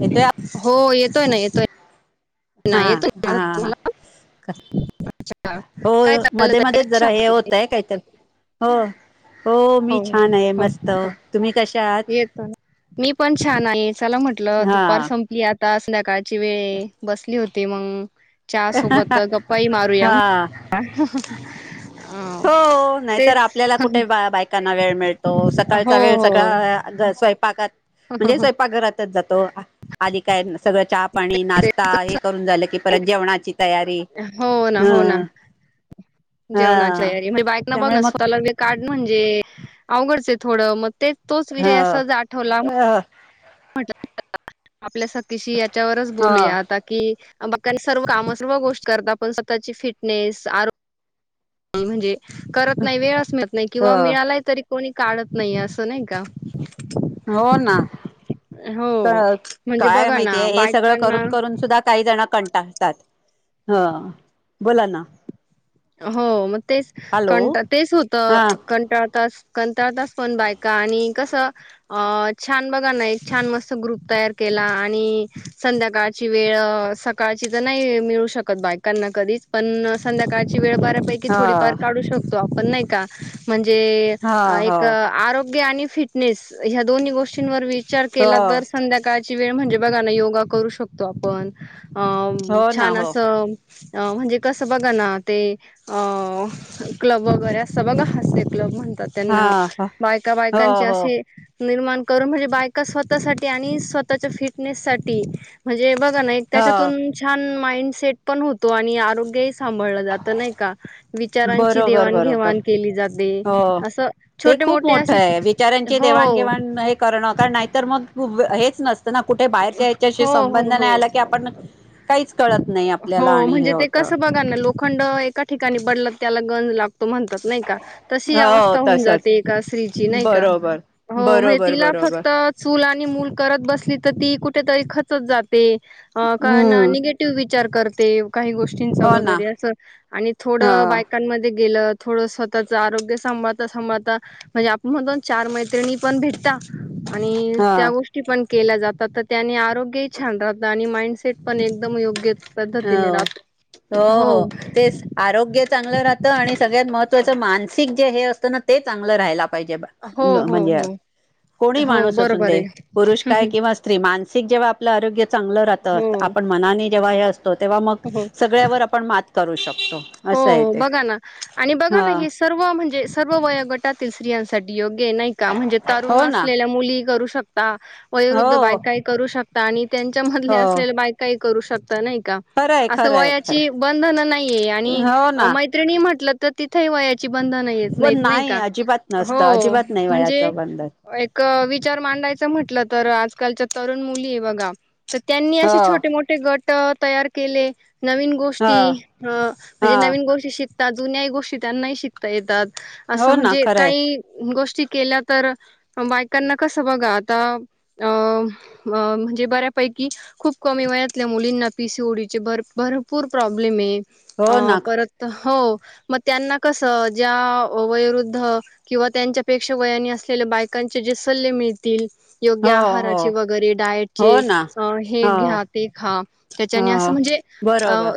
येतोय हो येतोय ना येतोय हा नाही येत तुम्हाला हा हो काय चाललं मध्ये ताई मध्ये कशा जरा आहात? हे होतय काहीतरी हो हो मी छान आहे हो मस्त हो तुम्ही कश्या आहात येतो ना. मी पण छान आहे चला म्हटलं हा दुपार संपलीया तासल्या काळची वेळ बसली होती मग चहा सोबत गप्पाई मारूया म्ह हा हो नाहीतर तेच आपल्याला कुठे बा बायकांना वेळ हो हो स्वयपाकात म्हणजे स्वयपाकघरात जातो आधी काय सगळं चहा पाणी ते नाश्ता हे करून झालं की परत जेवणाची तयारी हो ना ह हो ना जेवणाच्या हा यारी म्हणजे बाईक न बघ त्यामुळे ना मग स्वतःला का म्हणजे अवघडचे थोडं मग तेच तोच ह विषय असच आठवला ह म्हटल आपल्या सातशी याच्यावरच बोलूया आता कि बा सर्व काम सर्व गोष्ट करतात आपण स्वतःची फिटनेस आरोग म्हणजे करत नाही वेळच मिळत नाही ह किंवा मिळालाय तरी कोणी काढत नाही असं नाही का हो ना हो का म्हणजे काय बघा ना माहितीय हे सगळं बायकांना करून करून सुद्धा काही जण कंटाळतात ह बोला ना हो मग तेच हॅलो कंटा तेच हा होतं कंटाळ असतो ना बायका आणि कसं अ छान बघा ना एक छान मस्त ग्रुप तयार केला आणि संध्याकाळची वेळ सकाळची तर नाही मिळू शकत बायकांना कधीच पण संध्याकाळची ची वेळ बरं पैकी हा थोडीफार काढू शकतो पण नाही का म्हणजे हा जे हो एक आरोग्य योग्य आणि फिटनेस या दोन्ही गोष्टींवर वि विचार हो केला तर संध्याकाळ चा वेळ म्हणजे बघा ना योगा करू शकतो आपण अ हो ना छान हो असं अ म्हणजे कसं बघ ना ते अ क्लब वगैरे असं बघ हास्य क्लब म्हणतात हा त्यांना हो बायका बायकांचे हो असे निर्माण करून म्हणजे बायका स्वतःसाठी आणि स्वतःच्या फिटनेस साठी म्हणजे बघ झालय त्याच्यातून हो छान‌ माइं बरोबर बरोबर देवाणघेवाण केली जाते हो असं ते छोटे खूप मोठे मोठ असे आहे विचार्यांचे हो देवाणघेवाण हे करणं कार नाहीतर मग हेच नसत ना कुठे बाहेर चायच्याशी हो हो संबंध नाही हो आला की आपण काहीच कळत नाही आपल्याला आणि हे होतं खंड एका ठिकाणी बदलत त्याला गंज लाग म्हणतात नाही का तशी हो अवस्था होऊन तसच जाते एका स्त्री नाही का बरोबर हो माहिती बरोबर का तिला बरोबर फक्त चूल आणि मूल करत बसली ती कुठेतरी खचत जा ते अ कारण हम्म निगेटिव्ह विचार विचार करते काही गोष्टींच हो ना वगैरे असं आणि ह थोडं बायकांमध्ये गे गेलं थोडं स्वतःच आरोग्य सांभाळता सांभाळता म्हणजे आपण म्हणतो ना चार मैत्रिणी पण भेटता आणि ह त्या गोष्टी पण केला जातो फक्त त्यांनी आत आरोग्य छान राहत आणि माइंड अ राहतो. हो हो तेच आरोग्य चांगलं राहत आणि सगळ्यात महत्वाची मानसिक जे हे असतं ना ते चांगलं राहायला हो हो म्हणजे हो कोणी हो माणूस असून बरोबर दे आहे पुरुष काय किंवा स्त्री मानसिक जेव्हा आपलं आरोग्य चांगलं राहत हो आपण मनाने जेवया अस तेव्हा मग हो. सगळ्यावर आपण मात करू शक हो बघा ना आणि बघा ह ना हे सर्व म्हणजे सर्व वयो गटातील स्त्रियांस [inaudible] ते नाही का म्हणजे तरुण हो ना असलेल्या मुली करू वयोवृद्ध हो बायका ही करू शकत त त्यांच्या मधले हो असलेल्या बायका करू शकता नाही खरं आहे अस खरं आहे वयाची बंधन नाहीये आणि खरं हो ना मैत्रिणी म्हटल तर तिथे व बंध नाही पण नाही का अजिबात हो नसतं अजिबात नाही म्हणजे वयाचं बंधन विचार मांडायचं म्हटलं तर आजकालच्या तरुण मुली आहे बघा तर त्यांनी असे हो छोटे मोठे गट तयार केले नवीन गोष्टी हा अ हा म्हण नन कोर् शिकतात जुन्याही गोष्टी त्यांनाही शिकता येतात असं हो ना म्हणजे खरंय काही गोष्ट के तर बायकांना कस बघा आता म्हणजे बऱ्यापैकी खूप कमी वयातल्या मुलींना पीसीओडीचे भरपूर प्रॉब्लेम आहे हो अ ना परत हो मग त्यांना कसं ज्या वयोवृद्ध किंवा त्यांच्यापेक्षा वयाने असलेल्या बायकांचे जे सल्ले मिळतील योग्य हो हो आहाराचे वगैरे हो डायटचे ना हे हो घ्या ते खा हो त्याच्याने असं म्हणजे बरोबर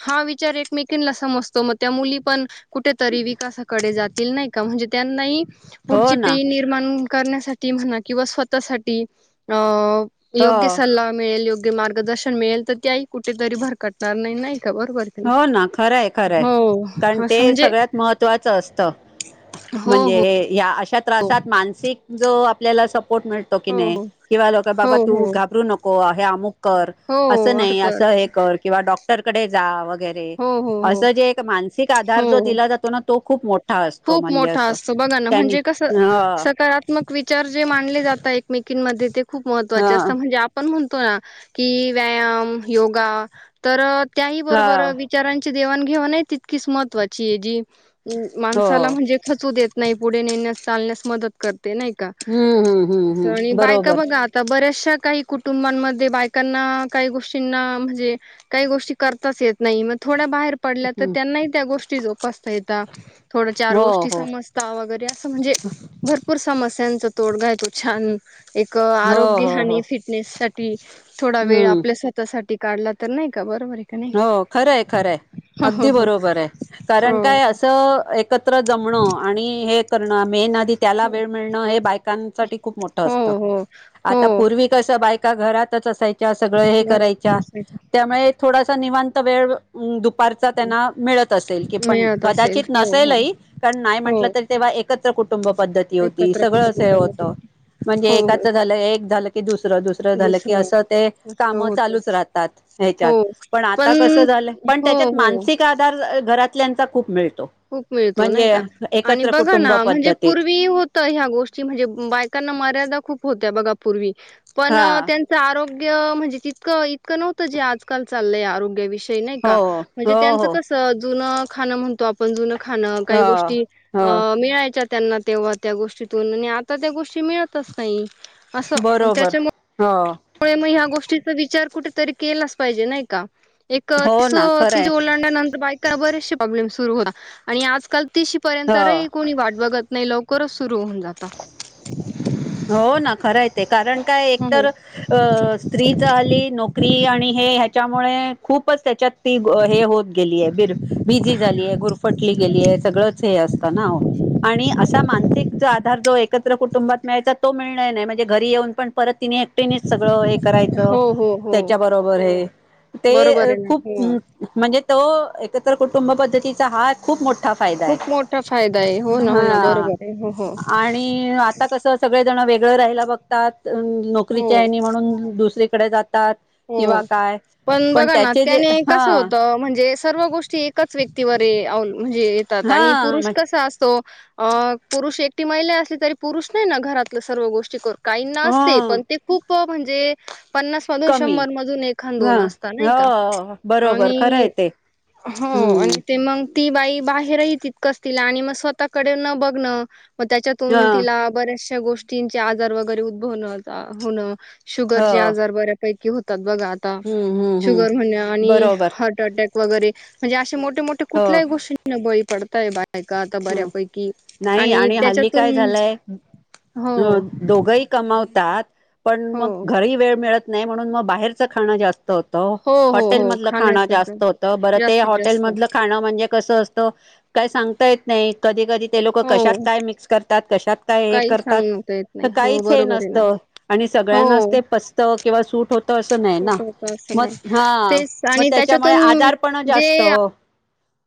हा रेटमेकिनला समजतो मग त्या मुली पण कुठेतरी विकासाकडे जात के नाही का म्हणजे त्यांनाही हो पुढची ना पी निर्माण करण्यासाठी म्हणा किंवा स्वतःसाठी अ हो योग्य सला मिळेल योग्य मार्गदर्शन मिळेल तर, तेई कुठेतरी भरकटणार नाही खबर. हो ना खरंय खरंय, कारण ते असं म्हणजे सगळ्यात महत्त्वाचं असत, हो म्हणजे हो हे ह अशा त्रासात मानसिक जो आपल्यात [unintelligible] म्हणतो की हो नाही हो हो बाबा तू हो घाबरू नको. [unintelligible] हे अमुक. कर हो अस असं नाही, कर अस हे कर किंवा डॉ कडे [unintelligible] जा. खरे हो हो हो अस मानिक आधार जो हो दिला जातो ना तो खूप मोठा असतो खूप म्हणजे मोठा असं असतो, बघा ना त्यांनी म्हणजे कस ह सकारात्मक विचार जे मानले जात एकमेक मध्ये ते [unintelligible] खुप महत्त्वाचे असत ह म्हणजे आपण. पहा की व्यायाम योगा तर. त्याही ह बरोबर विचारांची. जेवण घेवाण आहे, तितकीच महत्त्वाची आहे जी. हो माणसाला म्हणजे खचू देत. नाही पुढे नेण्यास चालण्यास मदत करते. नाही का हम्म हम्म हम्म आणि हम्म बायका बरोबर बघा आता बऱ्याच काही कुटुंबमध्ये बायकांना. काही गोष्टीं म्हणजे, काही गोष्टी करताच येत नाहीग थोड बाहेर. पडल्या तर हम्म त्यांना त्या गोष्टी जोपासता येत आहे [unintelligible] कुत्ता [unintelligible] थोडं चार हो गोष्टी हो समजता, वगैरे असं म्हणजे भर समस्यांचा तोडगा आहे तो छान. एक हो आरोग्य हो हो आणि फिटनेस सा ती. थोडा वेळ हम्म आपल्या स्वतःसाठी. काढला तर नाही. का बरोबर आहे का नाही हो खरंय खरंय, हो अगदी बरोबर आहे, कारण हो काय असं. त एकत्र जमण आणि हे, कारण आम्ही नात त्याला हो वेळ मिळण हे बायकांसाठी खूप मोठ हो हो असत हो हो आता हो पूर्वी कसं क [unintelligible] का घरातच असायच. सगळं हे करायच्या घरात त्यामुळे निवांत वेळ दुपा त्यांना मिळत असल क पण मिळत असेल कदाचित हो हो नसेलही कारण नाही हो म्हटलं त तेव्हा एक त्या कुटुंब पद्धती होती एकत्र सगळं अस हे कुटुंबामध्ये होतं हो म्हणजे एकाचं हो झालं एक झालं की दुसरं दुसरं झालं की असं ते असं काम होत चालूच राहतात हो ह्याच्यात पण आता कस झालं पण हो त्याच्यात हो मानसिक आधार घरातल्यांचा खूप वेळ खूप मिळतो नाही का आणि बघा ना कुटुंब म्हणजे पद्धतीत पूर्वी होत ह्या गोष्टी म्हणजे बायकांना मर्यादा खूप होत्या बघा पूर्वी पण हा त्यांच आरो ग्य म्हणजे तितकं इतके नव्हते जे आजकाल चालंया. आरोग्य विषय ते नाही हो का म्हणजे हो त्यांचं हो कसं जुनं खाणे म्हणतो आ पण जुणं खाणं काही गोष्टी हो अ हो मिळायच्या त्यांना तेव्हा त्या गोष्टीतून आणि आता त्या गोष्टी मिळतच नाही. असं बरोबर त्याच्या हो. मुळे मग ह्या गोष्टीचा विचार कुठेतरी केलाच पाहिजे नाही का. एक हो ना खरंय तिसी ओलांडल्यानंतर बाईका बरेच से प्रॉब्लेम्स सुरू होता आणि आजकाल तिशीपर्यंतही हो पर्यंत कोणी वाट बघत नाही लोक. करूस हो ना खरय ते कारण काय एक हो तर स्त्रीच हल्ली नोकरी आणि त्यामुळे खूपच त्याच्यात ती हे होत गेलीय बि बिझी झालीय गुरफटली गेलीय सगळंच हे असतं ना आणि असा मानसिक आधार जो एकत्र कुटुंबात मिळायचा तो मिळेन नाही म्हणजे घरी येऊन पण परत तीने एकटीने सगळं हे करायचं हो हो त्याच्याबरोबर हो ते बरोबर आहे ना हो. खरं म्हणजे तो एकत्र कुटुंब पद्धतीचा हा खूप मोठा फायदा आहे खूप मोठा फायदा आहे हो ना हो ना हा. बरोबर आहे हो हो आणि आता कसं सगळं जण वेगळं राहिला बघतात. हो नोकरीच्याहेनी म्हणून दुसरी कडे जात हो पण बघा ना त्याचे जे त्याने हा कस होत म्हणजे सर्व गोष्टी एकाच व्यक्तीवर अवलंबून म्हणजे येतात हा आणि पुरुष कसा असतो अ पुरुष एकटी महिला असली तरी पुरुष नाही ना घरातलं सर्व गोष्टी कर काही न असते ह पण ते खूप म्हणे पणास्स कमी शंभर मधुन एखांन ह दोन असता नाही का. हो बरोबर खरं आणि आहे ते हो हम्म मग ती बाई बा हेरही कस तिला, आणि मग स्वतःकडे न बघणं मग हा त्याच्यातून तिला बऱ्याचश्या गोष्टीं आजार वगैरे उद्भवणे होण शुगर हो चे आजार बरे पैकी होतात बघा आता हम्म हम्म हम्म साखर चे आजार आणि बरोबर हृदयविकाराचा आजार वगैरे म्हणजे असे मोठ मोठ्या कुठल्याही गोष्टींना बळी पडतात पडताय बायका आता ह बऱ्यापैकी नाही आणि हल्ली काय झालंय हो दोघही कमावतात त्याात पण हो मग घरीही वेळ मिळत नाही नाही म्हणून मग बाहेरचं खाणं जास्त हो हो हॉटेल हो मधलं खाण्याच खांणे तर जास्त होत, बर ते जास्तीत हॉटेल जास्त मधलं खाणं म्हणजे कसं असत काय सांग येत नाही कधी- कधी ते लोक हो कशात काय भेसळ करतात कशात काय हे काही करतात सांगता येत तर नाही हो काहीच हे बरोबर आहे ना नसतं आणि सगळ्यांनाच हो ते पचत किंवा सूट होत असं नाही ना सुट होत असं नाही मग हा तेच मग आणि त्याच्यामुळे त्याच्यातून आजार पण जे जास्त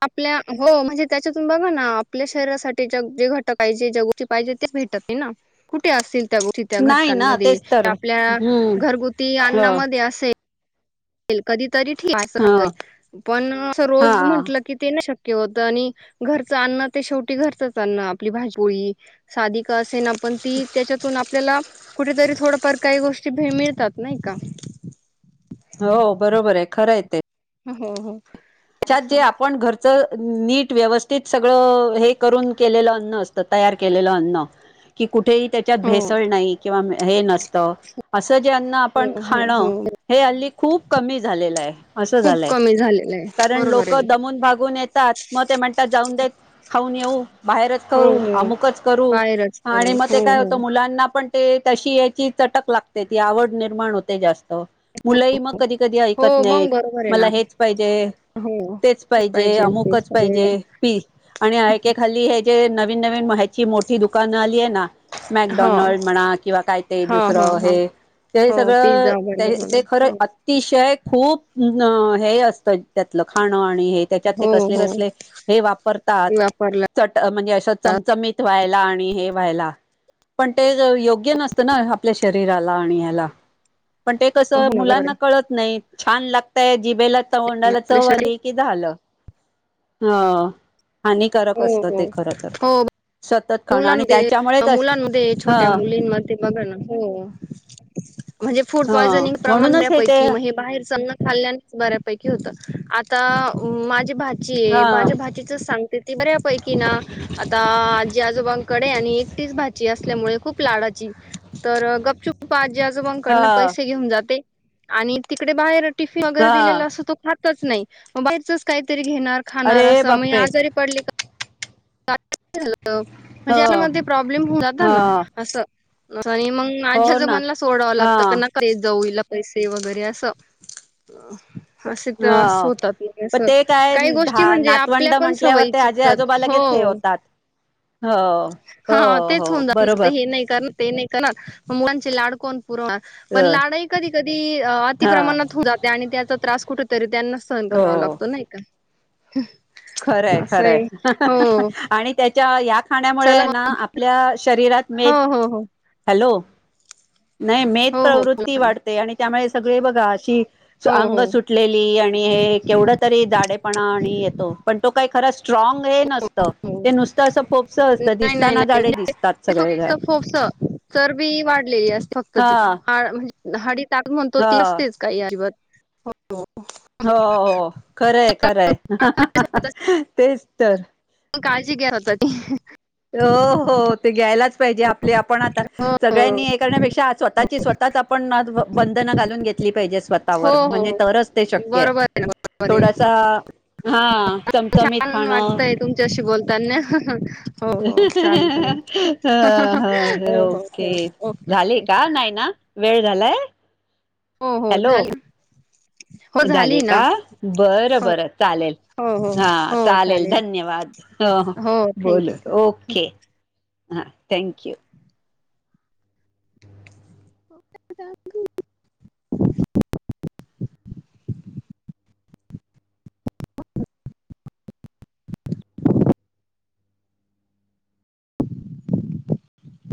आपल्या हो म्हणजे त्याच्यातून बघा ना आपल्या शरीरासाठी ज जे घटक ज्या गोष्टी हव्या आहेत पाहिजे ते मिळत नाही- ना कुठे असतील त्या गोष्टी त्या नाही ना घटकांमध्ये तेच तर आपल्या हम्म घरगुती ह अन्नामध्ये असेल कधी तरी ठीक सांग पण अस हा रोज हा म्हटलं की ते किंत आणि घरचं अ्ण ते शेवटी घरचंच आणण आपली भाजपोळी साधी का असे ना पण ती त्याच्यातून आपल्याला कुठेतरी थोडफार काही गोष्टी मिळतात नाही का? हो बरोबर आहे खरं य ते हो हो त्याच्यात जे असं आपण घरचं नीट व्यवस्थित सगळं हे करून केलेलं अन्न असतं तयार केलेलं अन्न क कुठेही त्याच्यात हो भेसळ नाही किंवा हे नसत असं जे अन्न आपण हो हो खाण हो हे अ खूप कमी झालेलं आहे असं खूप झालंय कमी झालेलं आहे कारण बरोबर लोक आहे. दमून भागून येतात मग ते म्हणतात जाऊन देत खाऊन येऊ बाहेरच हो करू हो अमुकच करू बाहेरच आणि करू मग हो ते काय हो होतं मुलांना पण ते तशी याची चटक लागते ती आवड निर्माण होते जास्त मुलंही मग कधी कधी हो ऐकत नाही मग बरोबर आहे ना मला हेच पाहिजे ते हो तेच पाहिजे अमुकच पाहिजे पी आणि हे एक एक हाल्ली जे नवीन नवीन म ह्याची मोठी दुकानं आली आहे ना हा मॅकडॉनल्ड म्हणा किंवा काय ते हा हा दुसरं हा हे ते हो सगळं पिझ्झा ते बर्गर ते वगैरे खरं हो अतिशय खूप अं हे अस त्यातलं खानं आणि हे त्याच्यात हो कसले हो कसले हे वापरतात वापरला चट म्हणजे चमचमीत होयला ला आणि हे व्हायला पण ते योग्य नसत ना आपल्या शरीराला आणि ह्याला पण ते कसं हो ना बरोबर मुलांना आहे कळत नाही छान लागतय जिबेला तोंडाला आपल्या चव श आली की झालं हा हानिकारक हो असत ते खर तर सतत खाणं आणि मुलां त्याच्यामुळेच मुलांमध्ये ह छोट्या मुलींमध्ये बघ ना हो म्हणजे फूड ह पॉयझनिंग प्रमाण म्हणूनच ते बऱ्यापैकी मग हे बाहेर अन्न खाल्ल्यानेच बऱ्यापेकी पैकी होतं आता अं माझे भाजीय हा भाज्या भाजीच सांगते ती बऱ्यापैकी ना आता आजोबांकडे आणि एकटीच भाची असल्यामुळे खूप लाडाची तर गपचुप् आजोबांंकडणं हा पैसे घेऊन जाते आणि तिकडे बाहेर टिफी वगैरे हा दिलेला असतो तच नाही म बाहेरचचं काहीतरी घेणार खाणार अरे असा म बापरे आजारी पडले का का झा म्हणजे याला ह मध्ये प्रॉब्लेम हो जातात हा ना असं आणि मग हो माझ्या ना जबनला सोडावं हा लागतं का न का जाऊ ल पैसे वगैरे असं असे हा त्रास होतात म्हण पण असं ते काय काही गोष्टी धा म्हणजे आपल्या नातवंड पण म्हटल्यावर सवयी ते आजी चुकतात आजोबा लगेच हे हो होतात हो हा हो हो तेच होऊन जात बरोबर हे नाही करणार ते नाही कर मुलांचे लाडकोण अ पण लाडाई कधी कधी हा अतिप्रमाणात होत जाते आणि त्या त्रास कुठ तरी त्यांना सहन हो करावा लागतो नाही का ह खरंय खरंय आणि त्याच्या या खाण्यामुळे चला आहे ना आपल्या शरीरात हो मेद हो हो ह हॅलो नाही मेद हो प्रवृत्ती बोला ना वाढते आणि त्यामुळे सगळे बघा अशी हो अंग हो सुटलेली आणि हे केवढ तरी झाडे पणा आणि येतो पण तो खरं स्ट्रॉग हे नसत हो ते नुसतं असं पोपस असत नाही नाही दिसताना झाडे नाही दिसतात सगळे तर बी वाढलेली अस फक्त ती हा ह म्हणज दहााडी म्हणतो हा ती असतेच काही अजिबात हो हो खरंय खरंय तेच तर प काळजी घ्या होता ती हो हो ते घ्यायलाच पाहिजे आपले आपण आता हो सगळ्यांनी हे करण्यापेक्षा स्वतःची स्वतःच आपण बंधन घालून घेतली पाहिजे हो स्वतःवर म्हणजे हो तरच ते शक्य आहे बरोबर ना बरोबर आहे थोडासा हा चमचमीत छान खाण वाटतय तुमच्याशी बोलताना हो हो चालेल चालेल अ ह हो हो हो ओके ओके झाले ओके का नाही ना वेळ झालाय हो हो हॅलो झालं झाले का बरं हो बरं चालेल हो हो हा चालेल धन्यवाद हो बोल थँक्यू ओके हा थँक्यू [inaudible] [inaudible]